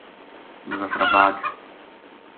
مظفرآباد